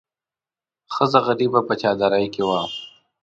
ښځه غریبه په چادرۍ کې وه.